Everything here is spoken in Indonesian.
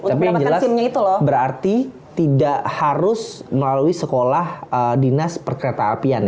tapi yang jelas berarti tidak harus melalui sekolah dinas perketapian ya